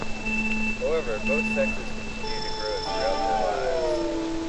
However, both sexes continue to grow throughout their lives.